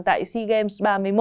tại sea games ba mươi một